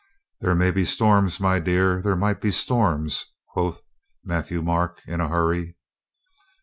"There may be storms, my dear, there might be storms," quoth Matthieu Marc in a hurry.